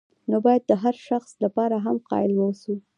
نو باید د هر شخص لپاره هم قایل واوسو.